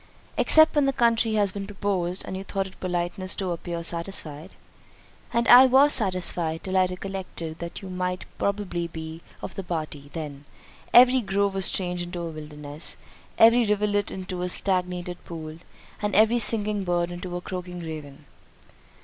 "Except when the country has been proposed, and you thought it politeness to appear satisfied." "And I was satisfied, till I recollected that you might probably be of the party—then, every grove was changed into a wilderness, every rivulet into a stagnated pool, and every singing bird into a croaking raven."